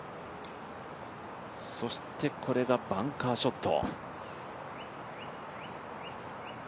そしてこれがバンカーショット。